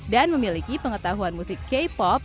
dan memiliki pengetahuan musik k pop